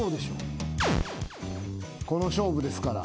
この勝負ですから。